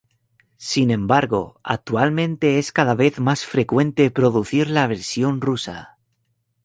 Sin embargo, actualmente es cada vez más frecuente producir la versión rusa.